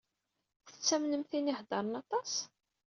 Tettamnem tin i iheddṛen aṭas?